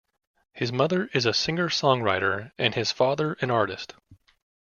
His mother is a singer-songwriter and his father an artist.